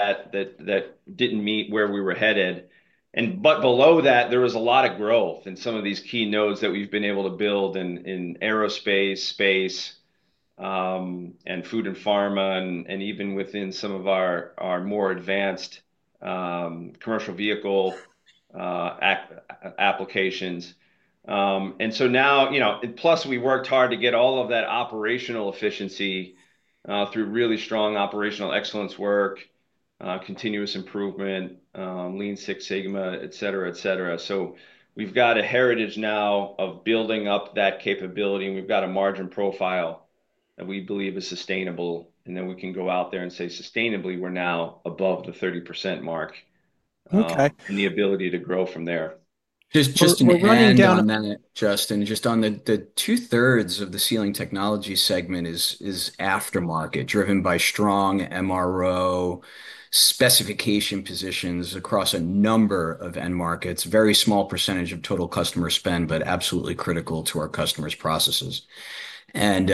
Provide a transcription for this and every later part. That didn't meet where we were headed. But below that, there was a lot of growth in some of these key nodes that we've been able to build in aerospace, space, and food and pharma, and even within some of our more advanced commercial vehicle applications. And so now, plus we worked hard to get all of that operational efficiency through really strong operational excellence work, continuous improvement, Lean Six Sigma, etc., etc. So we've got a heritage now of building up that capability, and we've got a margin profile that we believe is sustainable. And then we can go out there and say, "Sustainably, we're now above the 30% mark and the ability to grow from there. Just a minute. Just on that, two-thirds of the Sealing Technologies segment is aftermarket, driven by strong MRO specification positions across a number of end markets, a very small percentage of total customer spend, but absolutely critical to our customers' processes, and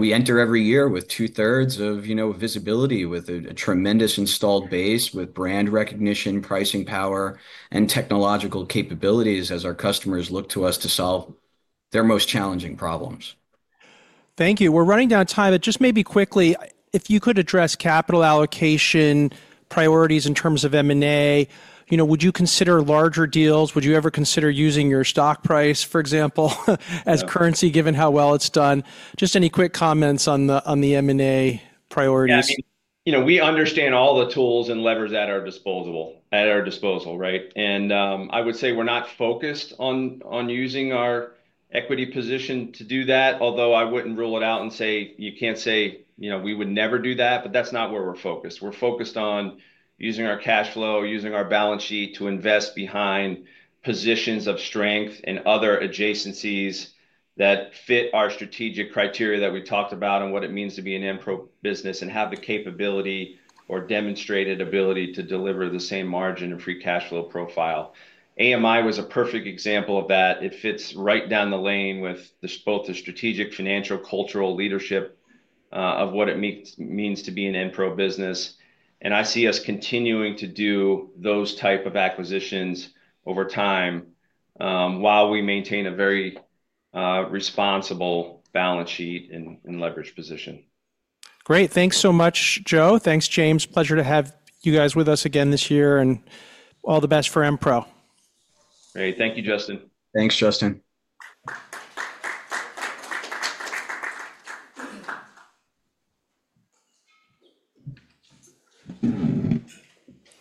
we enter every year with two-thirds of visibility, with a tremendous installed base, with brand recognition, pricing power, and technological capabilities as our customers look to us to solve their most challenging problems. Thank you. We're running out of time, but just maybe quickly, if you could address capital allocation priorities in terms of M&A, would you consider larger deals? Would you ever consider using your stock price, for example, as currency, given how well it's done? Just any quick comments on the M&A priorities. We understand all the tools and levers at our disposal, right? And I would say we're not focused on using our equity position to do that, although I wouldn't rule it out and say you can't say we would never do that, but that's not where we're focused. We're focused on using our cash flow, using our balance sheet to invest behind positions of strength and other adjacencies that fit our strategic criteria that we talked about and what it means to be an Enpro business and have the capability or demonstrated ability to deliver the same margin and free cash flow profile. AMI was a perfect example of that. It fits right down the lane with both the strategic, financial, cultural leadership of what it means to be an impro business. I see us continuing to do those types of acquisitions over time while we maintain a very responsible balance sheet and leverage position. Great. Thanks so much, Joe. Thanks, James. Pleasure to have you guys with us again this year, and all the best for impro. Great. Thank you, Justin. Thanks, Justin.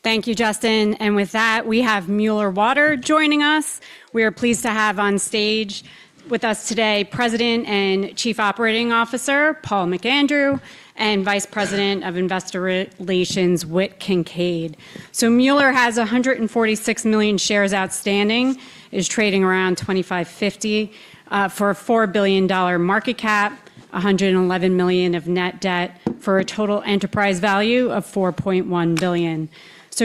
Thank you, Justin. With that, we have Mueller Water joining us. We are pleased to have on stage with us today President and Chief Operating Officer Paul McAndrew and Vice President of Investor Relations, Whit Kincaid. Mueller has 146 million shares outstanding, is trading around $25.50 for a $4 billion market cap, $111 million of net debt for a total enterprise value of $4.1 billion.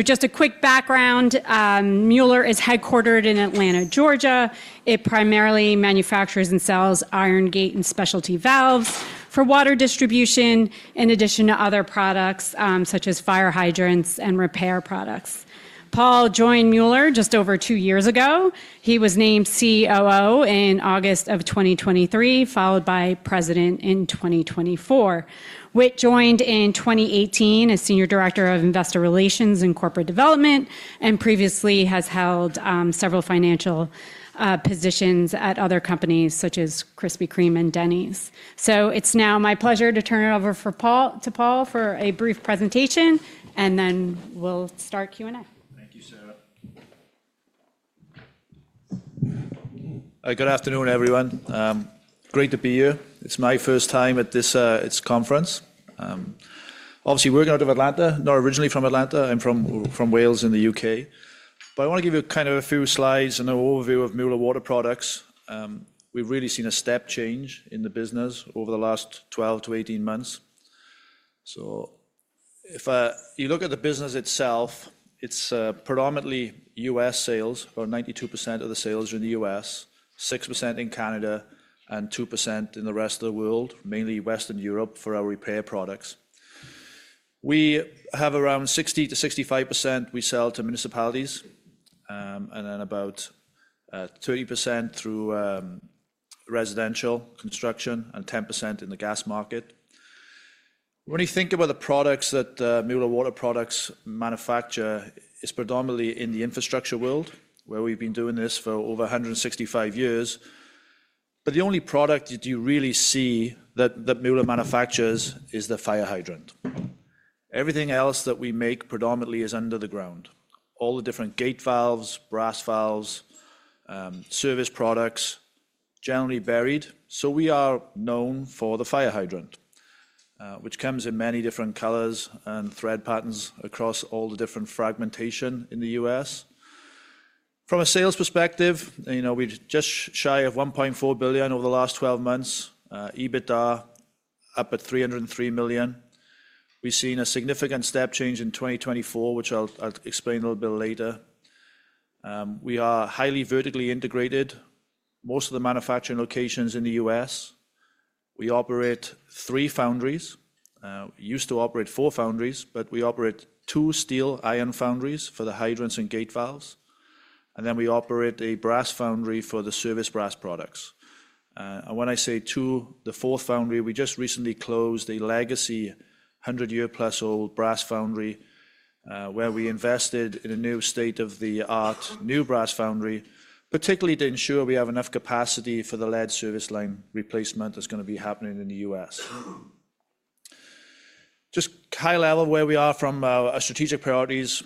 Just a quick background, Mueller is headquartered in Atlanta, Georgia. It primarily manufactures and sells iron gate valves and specialty valves for water distribution, in addition to other products such as fire hydrants and repair products. Paul joined Mueller just over two years ago. He was named COO in August of 2023, followed by President in 2024. Whit joined in 2018 as Senior Director of Investor Relations and Corporate Development, and previously has held several financial positions at other companies such as Krispy Kreme and Denny's. So it's now my pleasure to turn it over to Paul for a brief presentation, and then we'll start Q&A. Thank you, Sarah. Good afternoon, everyone. Great to be here. It's my first time at this conference. Obviously, we're not originally from Atlanta. I'm from Wales in the U.K. But I want to give you kind of a few slides and an overview of Mueller Water Products. We've really seen a step change in the business over the last 12-18 months. So if you look at the business itself, it's predominantly U.S. sales, or 92% of the sales are in the U.S., 6% in Canada, and 2% in the rest of the world, mainly Western Europe for our repair products. We have around 60%-65% we sell to municipalities, and then about 30% through residential construction and 10% in the gas market. When you think about the products that Mueller Water Products manufacture, it's predominantly in the infrastructure world, where we've been doing this for over 165 years. But the only product that you really see that Mueller manufactures is the fire hydrant. Everything else that we make predominantly is under the ground. All the different gate valves, brass valves, service products, generally buried. So we are known for the fire hydrant, which comes in many different colors and thread patterns across all the different fragmentation in the U.S. From a sales perspective, we're just shy of $1.4 billion over the last 12 months. EBITDA up at $303 million. We've seen a significant step change in 2024, which I'll explain a little bit later. We are highly vertically integrated, most of the manufacturing locations in the U.S. We operate three foundries. We used to operate four foundries, but we operate two steel iron foundries for the hydrants and gate valves. And then we operate a brass foundry for the service brass products. And when I say two, the fourth foundry, we just recently closed a legacy 100-year-plus-old brass foundry where we invested in a new state-of-the-art new brass foundry, particularly to ensure we have enough capacity for the lead service line replacement that's going to be happening in the U.S. Just high level where we are from our strategic priorities,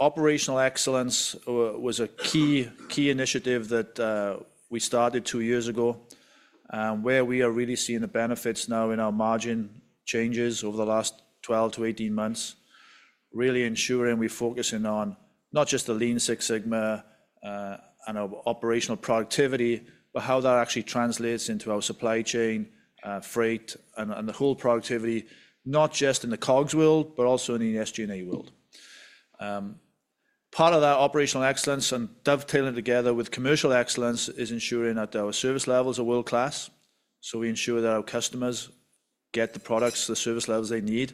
operational excellence was a key initiative that we started two years ago, where we are really seeing the benefits now in our margin changes over the last 12 to 18 months, really ensuring we're focusing on not just the Lean Six Sigma and our operational productivity, but how that actually translates into our supply chain, freight, and the whole productivity, not just in the COGS world, but also in the SG&A world. Part of that operational excellence and dovetailing together with commercial excellence is ensuring that our service levels are world-class. We ensure that our customers get the products, the service levels they need.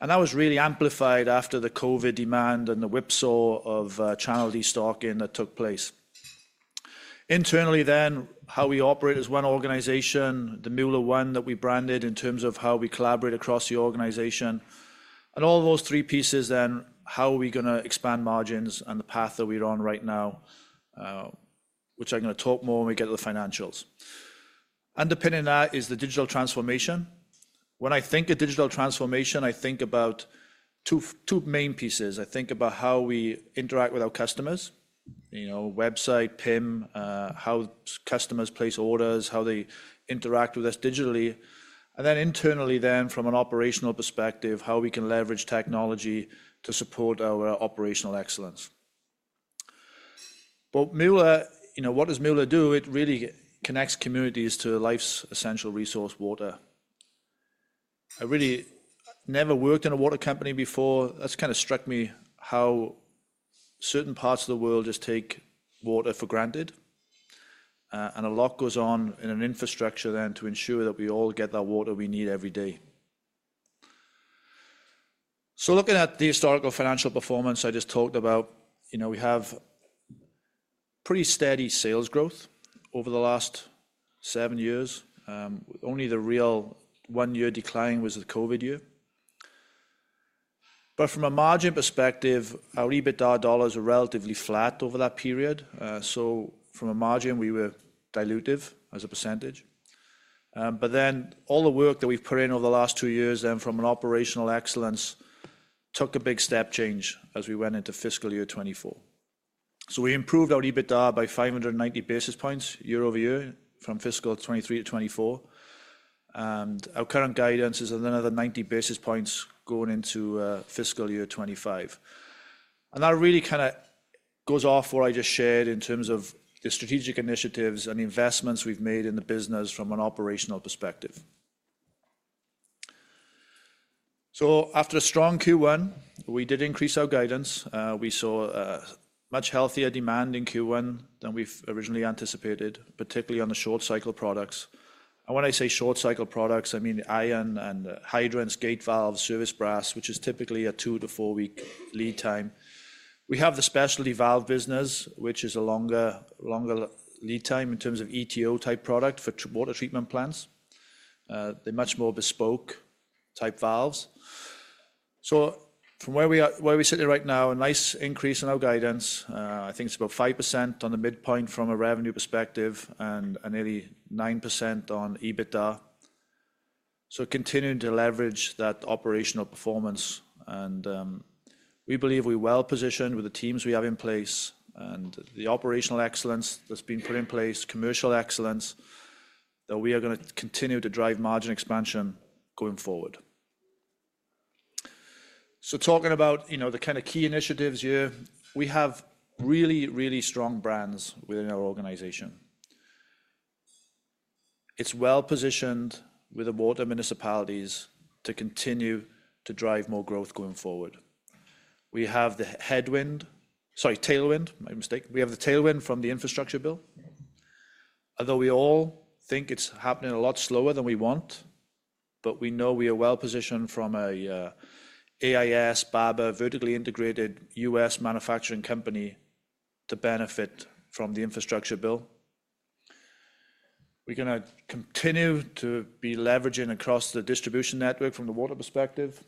That was really amplified after the COVID demand and the whipsaw of channel destocking that took place. Internally then, how we operate as one organization, the Mueller One that we branded in terms of how we collaborate across the organization. All those three pieces then, how are we going to expand margins and the path that we're on right now, which I'm going to talk more when we get to the financials. Underpinning that is the digital transformation. When I think of digital transformation, I think about two main pieces. I think about how we interact with our customers, website, PIM, how customers place orders, how they interact with us digitally. Then internally then, from an operational perspective, how we can leverage technology to support our operational excellence. What does Mueller do? It really connects communities to life's essential resource, water. I really never worked in a water company before. That's kind of struck me how certain parts of the world just take water for granted, and a lot goes on in an infrastructure then to ensure that we all get the water we need every day. So, looking at the historical financial performance I just talked about, we have pretty steady sales growth over the last seven years. Only the real one-year decline was the COVID year. But from a margin perspective, our EBITDA dollars are relatively flat over that period. So, from a margin, we were dilutive as a percentage. But then all the work that we've put in over the last two years then from an operational excellence took a big step change as we went into fiscal year 2024. So, we improved our EBITDA by 590 basis points year over year from fiscal 2023 to 2024. And our current guidance is another 90 basis points going into fiscal year 2025. And that really kind of goes off what I just shared in terms of the strategic initiatives and investments we've made in the business from an operational perspective. So after a strong Q1, we did increase our guidance. We saw much healthier demand in Q1 than we've originally anticipated, particularly on the short-cycle products. And when I say short-cycle products, I mean iron and hydrants, gate valves, service brass, which is typically a two- to four-week lead time. We have the specialty valve business, which is a longer lead time in terms of ETO-type product for water treatment plants. They're much more bespoke-type valves. So, from where we sit right now, a nice increase in our guidance. I think it's about 5% on the midpoint from a revenue perspective and nearly 9% on EBITDA, so continuing to leverage that operational performance, and we believe we're well positioned with the teams we have in place and the operational excellence that's been put in place, commercial excellence, that we are going to continue to drive margin expansion going forward, so talking about the kind of key initiatives here, we have really, really strong brands within our organization. It's well positioned with the water municipalities to continue to drive more growth going forward. We have the headwind, sorry, tailwind, my mistake. We have the tailwind from the infrastructure bill. Although we all think it's happening a lot slower than we want, but we know we are well positioned from an AIS, BABA, vertically integrated U.S. manufacturing company to benefit from the infrastructure bill. We're going to continue to be leveraging across the distribution network from the water perspective.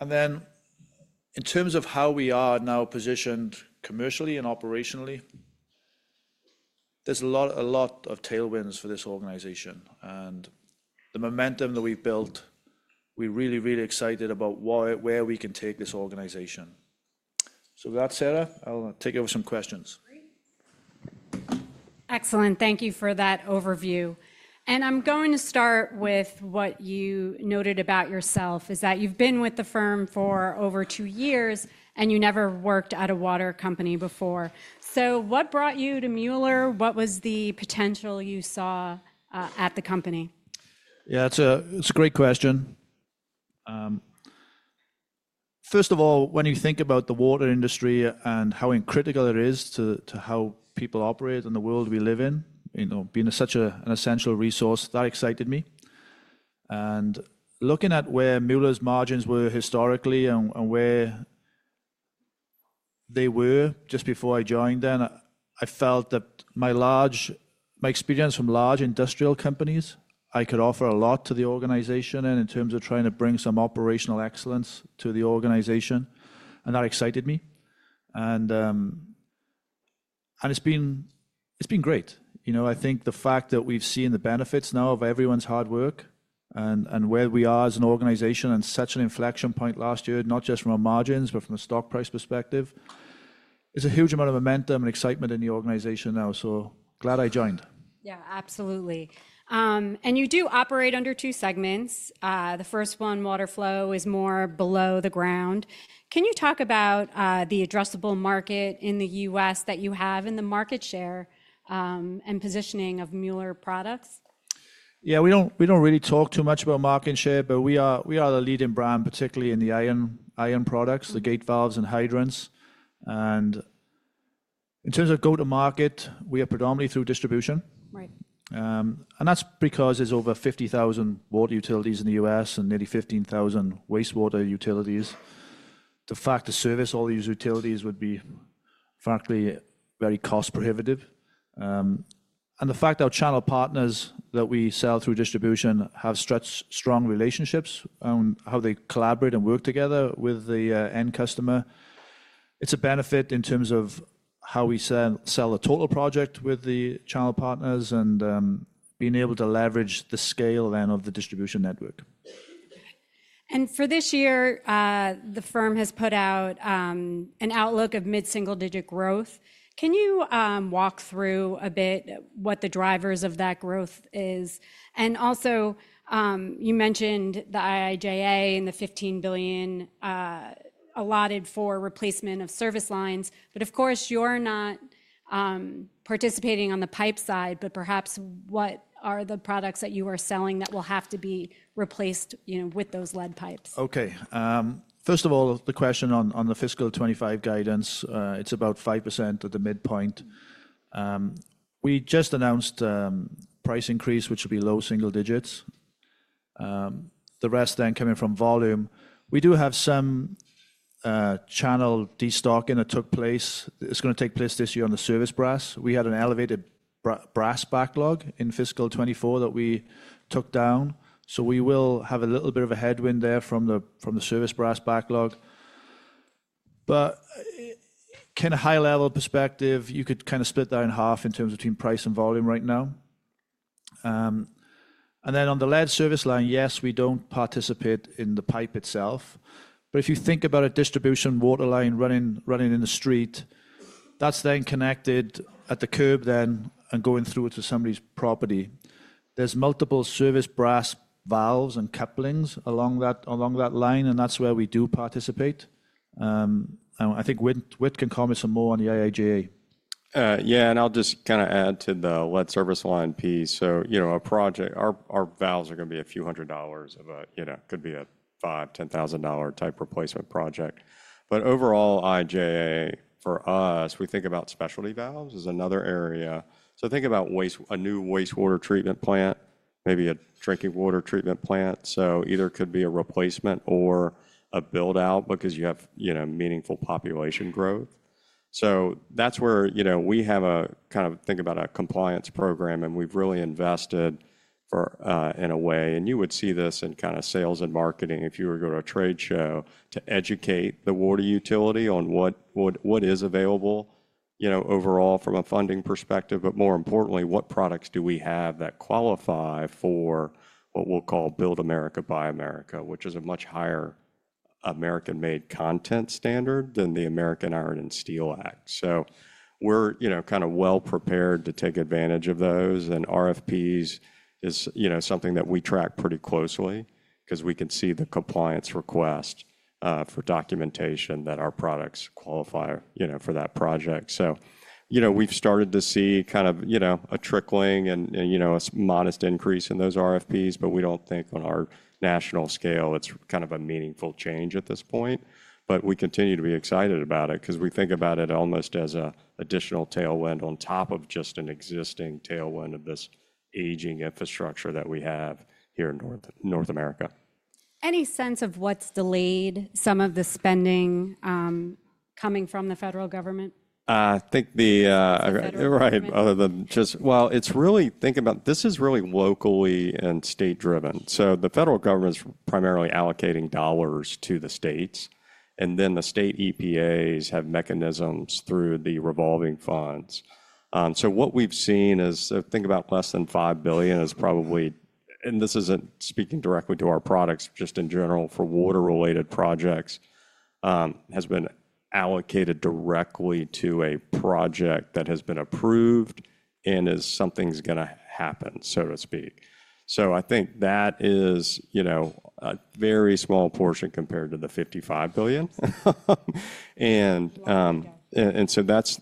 And then in terms of how we are now positioned commercially and operationally, there's a lot of tailwinds for this organization. And the momentum that we've built, we're really, really excited about where we can take this organization. So with that, Sarah, I'll take over some questions. Excellent. Thank you for that overview. And I'm going to start with what you noted about yourself, is that you've been with the firm for over two years and you never worked at a water company before. So what brought you to Mueller? What was the potential you saw at the company? Yeah, it's a great question. First of all, when you think about the water industry and how critical it is to how people operate in the world we live in, being such an essential resource, that excited me. And looking at where Mueller's margins were historically and where they were just before I joined then, I felt that my experience from large industrial companies, I could offer a lot to the organization in terms of trying to bring some operational excellence to the organization. And that excited me. And it's been great. I think the fact that we've seen the benefits now of everyone's hard work and where we are as an organization and such an inflection point last year, not just from our margins, but from the stock price perspective, there's a huge amount of momentum and excitement in the organization now. So glad I joined. Yeah, absolutely, and you do operate under two segments. The first one, water flow, is more below the ground. Can you talk about the addressable market in the U.S. that you have and the market share and positioning of Mueller Products? Yeah, we don't really talk too much about market share, but we are the leading brand, particularly in the iron products, the gate valves and hydrants. And in terms of go-to-market, we are predominantly through distribution. And that's because there's over 50,000 water utilities in the U.S. and nearly 15,000 wastewater utilities. The fact to service all these utilities would be, frankly, very cost prohibitive. And the fact our channel partners that we sell through distribution have strong relationships on how they collaborate and work together with the end customer. It's a benefit in terms of how we sell a total project with the channel partners and being able to leverage the scale then of the distribution network. For this year, the firm has put out an outlook of mid-single-digit growth. Can you walk through a bit what the drivers of that growth is? Also, you mentioned the IIJA and the $15 billion allotted for replacement of service lines. Of course, you're not participating on the pipe side, but perhaps what are the products that you are selling that will have to be replaced with those lead pipes? Okay. First of all, the question on the fiscal 2025 guidance, it's about 5% at the midpoint. We just announced price increase, which will be low single digits. The rest then coming from volume. We do have some channel destocking that took place. It's going to take place this year on the service brass. We had an elevated brass backlog in fiscal 2024 that we took down. So we will have a little bit of a headwind there from the service brass backlog. But kind of high-level perspective, you could kind of split that in half in terms of between price and volume right now. And then on the lead service line, yes, we don't participate in the pipe itself. But if you think about a distribution water line running in the street, that's then connected at the curb then and going through it to somebody's property. There's multiple service brass valves and couplings along that line, and that's where we do participate. I think Whit can comment some more on the IIJA. Yeah, and I'll just kind of add to the lead service line piece. So, our valves are going to be a few hundred dollars of a, could be a $5,000-$10,000 type replacement project. But overall, IIJA for us, we think about specialty valves as another area. So, think about a new wastewater treatment plant, maybe a drinking water treatment plant. So, either it could be a replacement or a build-out because you have meaningful population growth. So that's where we have a kind of think about a compliance program, and we've really invested in a way. And you would see this in kind of sales and marketing if you were to go to a trade show to educate the water utility on what is available overall from a funding perspective. But more importantly, what products do we have that qualify for what we'll call Build America, Buy America, which is a much higher American-made content standard than the American Iron and Steel Act. So we're kind of well prepared to take advantage of those. And RFPs is something that we track pretty closely because we can see the compliance request for documentation that our products qualify for that project. So we've started to see kind of a trickling and a modest increase in those RFPs, but we don't think on our national scale, it's kind of a meaningful change at this point. But we continue to be excited about it because we think about it almost as an additional tailwind on top of just an existing tailwind of this aging infrastructure that we have here in North America. Any sense of what's delayed some of the spending coming from the federal government? I think the right, other than just, well, it's really thinking about this is really locally and state-driven. So the federal government's primarily allocating dollars to the states, and then the state EPAs have mechanisms through the revolving funds. So what we've seen is think about less than $5 billion is probably, and this isn't speaking directly to our products, just in general for water-related projects, has been allocated directly to a project that has been approved and is something's going to happen, so to speak. So I think that is a very small portion compared to the $55 billion. And so that's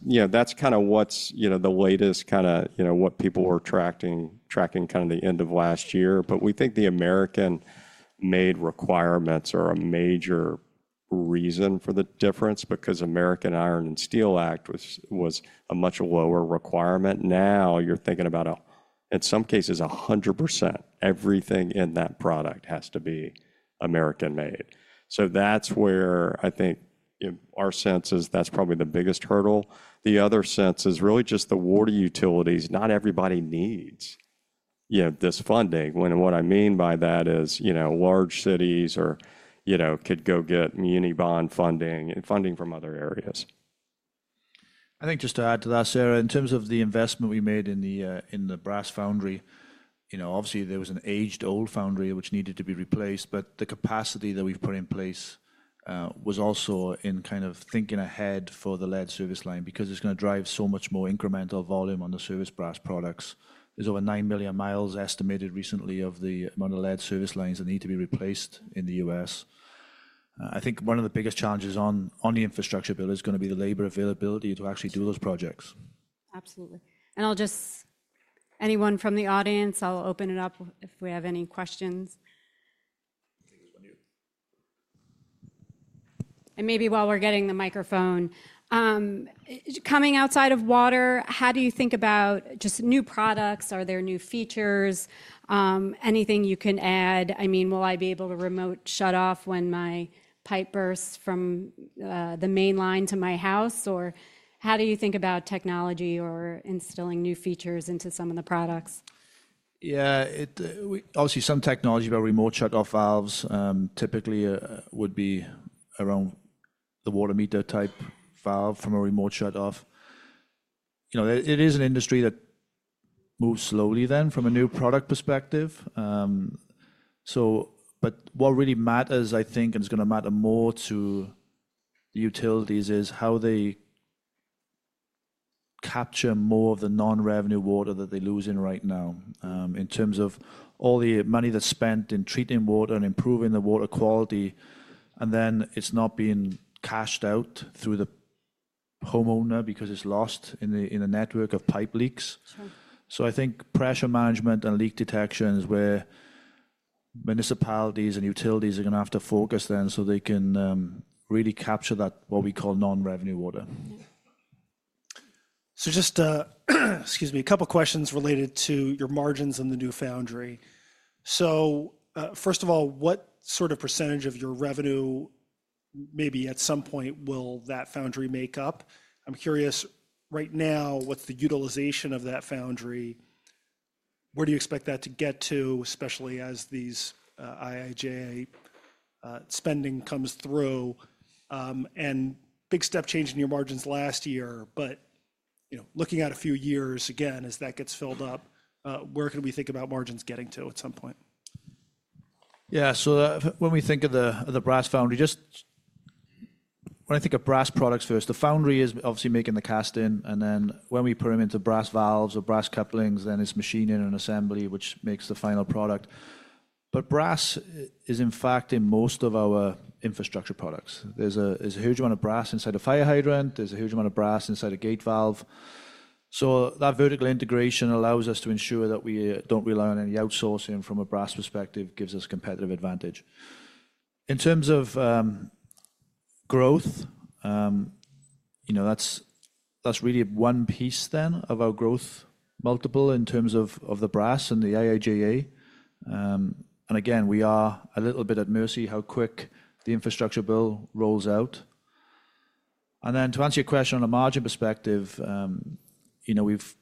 kind of what's the latest kind of what people were tracking kind of the end of last year. But we think the American-made requirements are a major reason for the difference because American Iron and Steel Act was a much lower requirement. Now you're thinking about, in some cases, 100%, everything in that product has to be American made. So that's where I think our sense is that's probably the biggest hurdle. The other sense is really just the water utilities. Not everybody needs this funding. And what I mean by that is large cities could go get muni bond funding and funding from other areas. I think just to add to that, Sarah, in terms of the investment we made in the brass foundry, obviously there was an aged old foundry which needed to be replaced, but the capacity that we've put in place was also in kind of thinking ahead for the lead service line because it's going to drive so much more incremental volume on the service brass products. There's over nine million miles estimated recently of the amount of lead service lines that need to be replaced in the U.S. I think one of the biggest challenges on the infrastructure bill is going to be the labor availability to actually do those projects. Absolutely. And I'll just, anyone from the audience, I'll open it up if we have any questions. And maybe while we're getting the microphone, coming outside of water, how do you think about just new products? Are there new features? Anything you can add? I mean, will I be able to remote shut off when my pipe bursts from the main line to my house? Or how do you think about technology or instilling new features into some of the products? Yeah, obviously some technology about remote shut-off valves typically would be around the water meter type valve from a remote shut-off. It is an industry that moves slowly then from a new product perspective. But what really matters, I think, and it's going to matter more to the utilities is how they capture more of the non-revenue water that they lose in right now in terms of all the money that's spent in treating water and improving the water quality. And then it's not being cashed out through the homeowner because it's lost in a network of pipe leaks. So I think pressure management and leak detection is where municipalities and utilities are going to have to focus then so they can really capture that, what we call non-revenue water. So, just excuse me, a couple of questions related to your margins in the new foundry. So first of all, what sort of percentage of your revenue maybe at some point will that foundry make up? I'm curious right now, what's the utilization of that foundry? Where do you expect that to get to, especially as these IIJA spending comes through? And big step change in your margins last year, but looking at a few years again as that gets filled up, where can we think about margins getting to at some point? Yeah, so when we think of the brass foundry, just when I think of brass products first, the foundry is obviously making the casting. And then when we put them into brass valves or brass couplings, then it's machining and assembly, which makes the final product. But brass is in fact in most of our infrastructure products. There's a huge amount of brass inside a fire hydrant. There's a huge amount of brass inside a gate valve. So that vertical integration allows us to ensure that we don't rely on any outsourcing from a brass perspective, gives us competitive advantage. In terms of growth, that's really one piece then of our growth multiple in terms of the brass and the IIJA. And again, we are a little bit at mercy how quick the infrastructure bill rolls out. To answer your question on a margin perspective, we've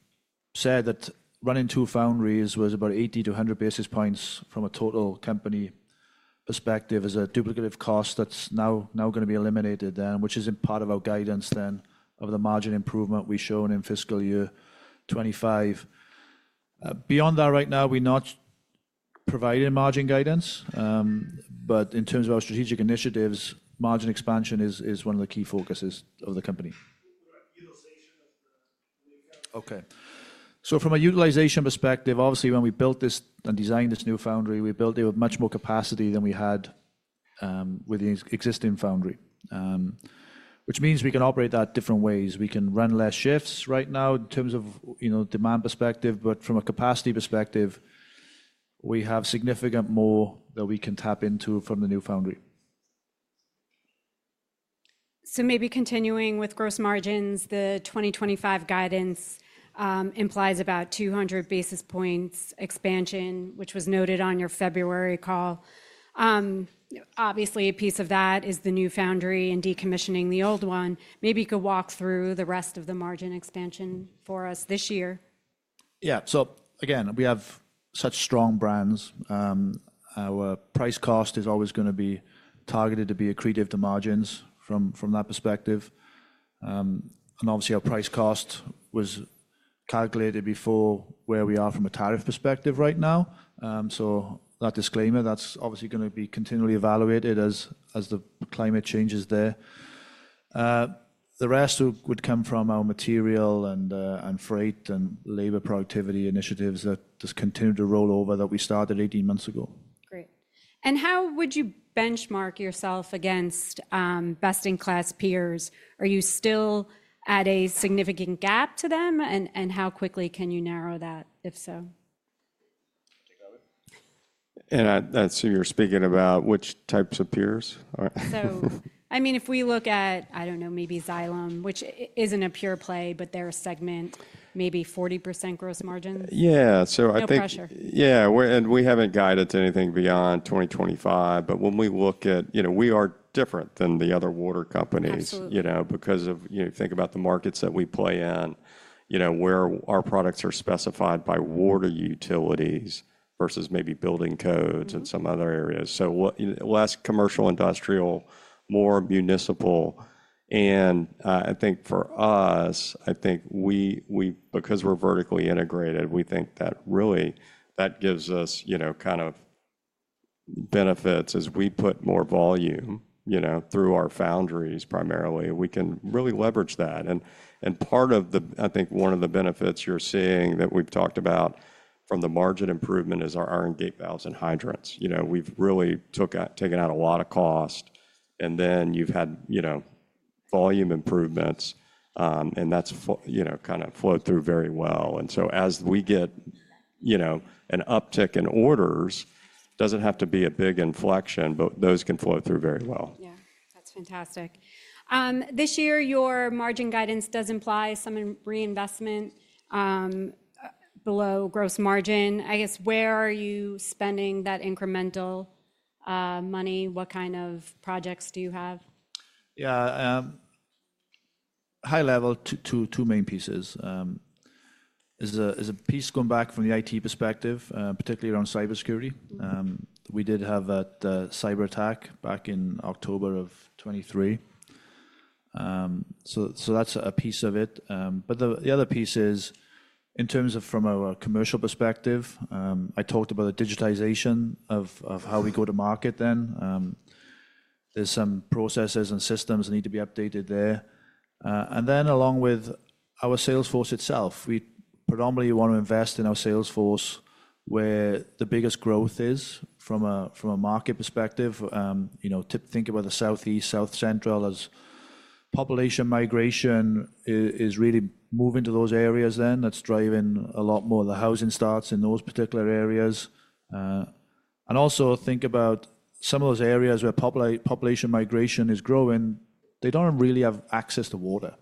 said that running two foundries was about 80-100 basis points from a total company perspective as a duplicative cost that's now going to be eliminated then, which is part of our guidance then of the margin improvement we showed in fiscal year 2025. Beyond that, right now, we're not providing margin guidance. In terms of our strategic initiatives, margin expansion is one of the key focuses of the company. Okay. From a utilization perspective, obviously, when we built this and designed this new foundry, we built it with much more capacity than we had with the existing foundry, which means we can operate that different ways. We can run less shifts right now in terms of demand perspective, but from a capacity perspective, we have significant more that we can tap into from the new foundry. So, maybe continuing with gross margins, the 2025 guidance implies about 200 basis points expansion, which was noted on your February call. Obviously, a piece of that is the new foundry and decommissioning the old one. Maybe you could walk through the rest of the margin expansion for us this year. Yeah. So again, we have such strong brands. Our price cost is always going to be targeted to be accretive to margins from that perspective. And obviously, our price cost was calculated before where we are from a tariff perspective right now. So that disclaimer, that's obviously going to be continually evaluated as the climate changes there. The rest would come from our material and freight and labor productivity initiatives that just continue to roll over that we started 18 months ago. Great. And how would you benchmark yourself against best-in-class peers? Are you still at a significant gap to them? And how quickly can you narrow that, if so? That's who you're speaking about, which types of peers? So I mean, if we look at, I don't know, maybe Xylem, which isn't a pure play, but they're a segment, maybe 40% gross margin. Yeah, so I think. No pressure. Yeah. And we haven't guided to anything beyond 2025. But when we look at, we are different than the other water companies because of, think about the markets that we play in, where our products are specified by water utilities versus maybe building codes and some other areas. So less commercial, industrial, more municipal. And I think for us, I think because we're vertically integrated, we think that really that gives us kind of benefits as we put more volume through our foundries primarily. We can really leverage that. And part of the, I think one of the benefits you're seeing that we've talked about from the margin improvement is our iron gate valves and hydrants. We've really taken out a lot of cost, and then you've had volume improvements, and that's kind of flowed through very well. And so as we get an uptick in orders, it doesn't have to be a big inflection, but those can flow through very well. Yeah. That's fantastic. This year, your margin guidance does imply some reinvestment below gross margin. I guess, where are you spending that incremental money? What kind of projects do you have? Yeah. High level, two main pieces. There's a piece going back from the IT perspective, particularly around cybersecurity. We did have a cyber attack back in October of 2023. So that's a piece of it. But the other piece is in terms of from a commercial perspective, I talked about the digitization of how we go to market then. There's some processes and systems that need to be updated there. And then along with our sales force itself, we predominantly want to invest in our sales force where the biggest growth is from a market perspective. Think about the Southeast, South Central as population migration is really moving to those areas then. That's driving a lot more of the housing starts in those particular areas. And also think about some of those areas where population migration is growing, they don't really have access to water.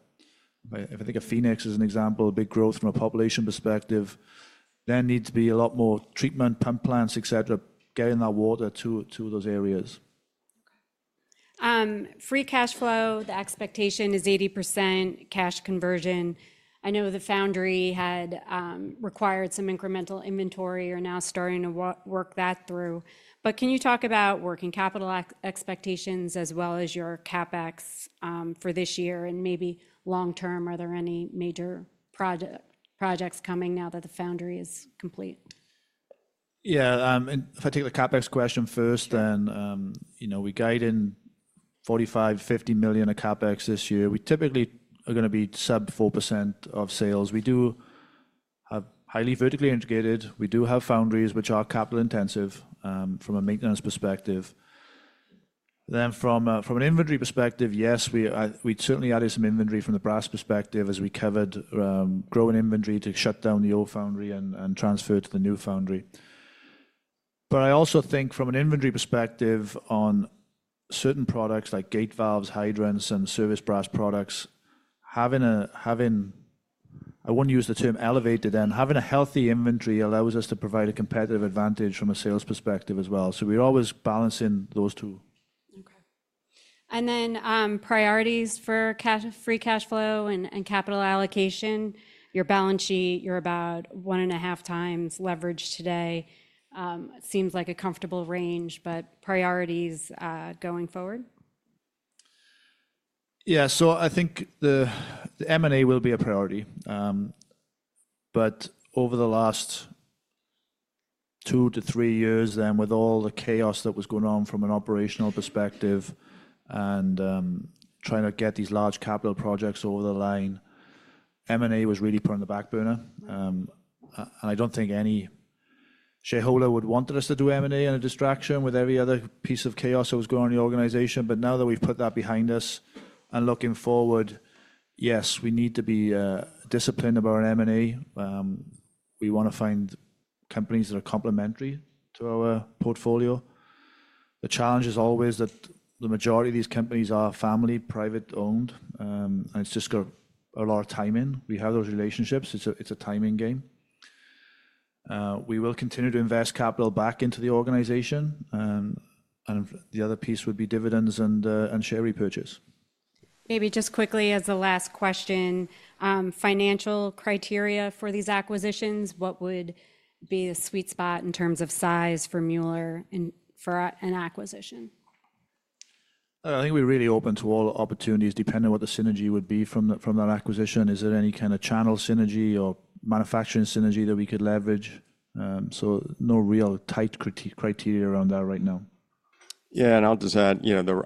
If I think of Phoenix as an example, big growth from a population perspective, there needs to be a lot more treatment, pump plants, etc., getting that water to those areas. Free cash flow, the expectation is 80% cash conversion. I know the foundry had required some incremental inventory or now starting to work that through, but can you talk about working capital expectations as well as your CapEx for this year and maybe long term? Are there any major projects coming now that the foundry is complete? Yeah. If I take the CapEx question first, then we guide $45-$50 million of CapEx this year. We typically are going to be sub 4% of sales. We do have highly vertically integrated. We do have foundries which are capital intensive from a maintenance perspective. Then from an inventory perspective, yes, we certainly added some inventory from the brass perspective as we covered growing inventory to shut down the old foundry and transfer it to the new foundry. But I also think from an inventory perspective on certain products like gate valves, hydrants, and service brass products, having a, I won't use the term elevated then, having a healthy inventory allows us to provide a competitive advantage from a sales perspective as well. So we're always balancing those two. Okay. And then priorities for free cash flow and capital allocation, your balance sheet, you're about one and a half times leverage today. It seems like a comfortable range, but priorities going forward? Yeah. So I think the M&A will be a priority. But over the last two to three years then, with all the chaos that was going on from an operational perspective and trying to get these large capital projects over the line, M&A was really put on the back burner. And I don't think any shareholder would want us to do M&A and a distraction with every other piece of chaos that was going on in the organization. But now that we've put that behind us and looking forward, yes, we need to be disciplined about our M&A. We want to find companies that are complementary to our portfolio. The challenge is always that the majority of these companies are family private owned, and it's just got a lot of timing. We have those relationships. It's a timing game. We will continue to invest capital back into the organization. The other piece would be dividends and share repurchase. Maybe just quickly as a last question, financial criteria for these acquisitions, what would be the sweet spot in terms of size for Mueller and for an acquisition? I think we're really open to all opportunities depending on what the synergy would be from that acquisition. Is there any kind of channel synergy or manufacturing synergy that we could leverage? So no real tight criteria around that right now. Yeah. And I'll just add,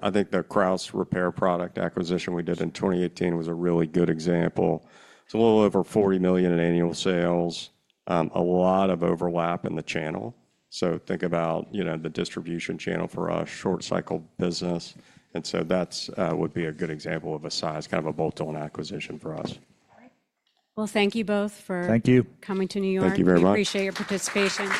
I think the Krausz repair products acquisition we did in 2018 was a really good example. It's a little over $40 million in annual sales, a lot of overlap in the channel. So think about the distribution channel for us, short cycle business. And so that would be a good example of a size, kind of a bolt-on acquisition for us. Well, thank you both for. Thank you. Coming to New York. Thank you very much. We appreciate your participation.